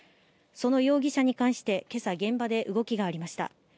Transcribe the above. その容疑者に関して今朝、現場で動きがありました。